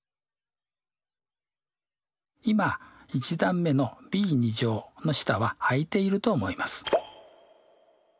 今１段目のｂの下はあいていると思います。